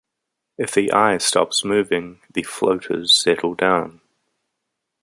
If the eye stops moving, the floaters settle down.